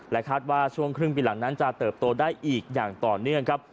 คาดว่าช่วงครึ่งปีหลังนั้นจะเติบโตได้อีกอย่างต่อเนื่องครับ